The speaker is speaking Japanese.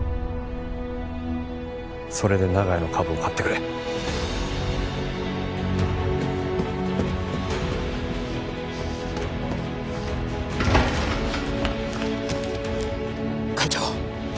それで長屋の株を買ってくれ。会長！